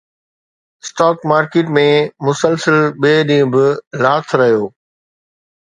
stock market ۾ مسلسل ٻئي ڏينهن به لاٿ رهيو